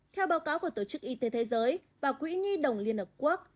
theo báo cáo của tổ chức y tế thế giới và quỹ nhi đồng liên hợp quốc